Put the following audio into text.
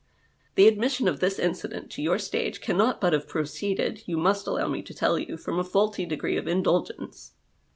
The admission of this incident to your stage cannot but have proceeded, you must allow me to tell you, from a faulty degree of indulgence.